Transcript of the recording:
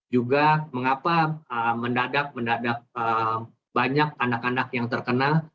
juga mengapa mendadak mendadak banyak anak anak yang terkena